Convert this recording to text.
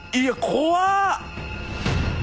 怖っ！